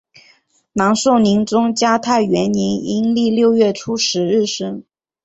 南宋宁宗嘉泰元年阴历六月初十日生。